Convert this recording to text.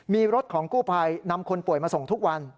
มีรถของกู้ภัยนำคนป่วยมาส่งทุกวัน